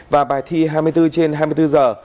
và bài thi hai mươi bốn trên hai mươi bốn giờ